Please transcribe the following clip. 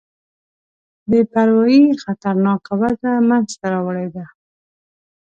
بې پروايي خطرناکه وضع منځته راوړې ده.